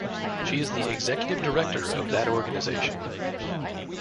She is the executive director of that organization.